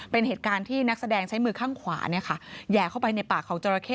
เป็นเหตุการณ์ที่นักแสดงใช้มือข้างขวาแหย่เข้าไปในปากของจราเข้